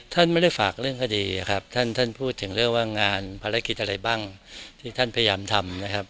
ท่านไม่ได้ฝากเรื่องคดีครับท่านท่านพูดถึงเรื่องว่างานภารกิจอะไรบ้างที่ท่านพยายามทำนะครับ